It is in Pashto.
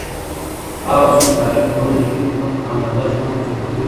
هغه څوک چې تاریخ لولي، د ډېرو خلکو په اندازه ژوند تجربه کوي.